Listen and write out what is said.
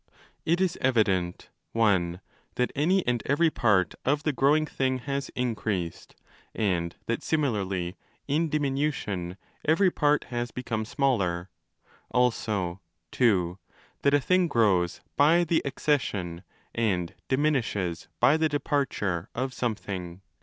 It is evident (i) that any and every part of the growing thing has increased, and that similarly in diminution every part has become smaller: also (ii) that a thing grows by 5 the accession, and diminishes by the departure, of some thing.